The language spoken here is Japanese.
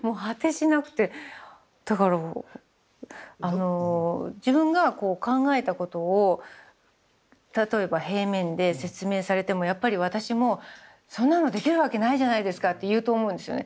だからあの自分がこう考えたことを例えば平面で説明されてもやっぱり私もそんなのできるわけないじゃないですかって言うと思うんですよね。